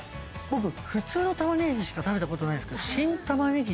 僕普通の玉ねぎしか食べたことないんですけど。